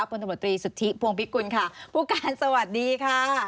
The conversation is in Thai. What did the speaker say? บริโภตรีสุธิพวงภิกุลค่ะผู้การสวัสดีค่ะ